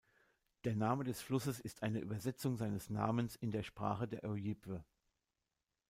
Der Name des Flusses ist eine Übersetzung seines Namens in der Sprache der Ojibwe.